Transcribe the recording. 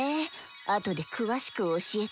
あとで詳しく教えて？